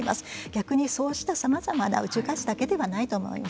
逆にそうしたさまざまな宇宙開発だけではないと思います。